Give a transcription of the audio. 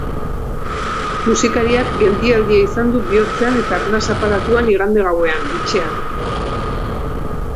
Musikariak geldialdia izan du bihotzean eta arnas aparatuan igande gauean, etxean.